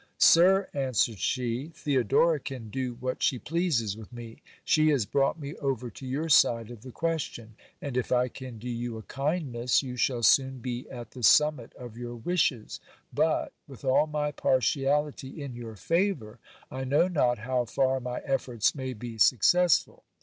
Sir, answered she, Theodora can do what she pleases with me. She has brought me over to your side of the question ; and if I can do you a kindness, you shall soon be at the summit of your wishes ; but, with all my partiality in your favour, I know not how far my efforts may be successful.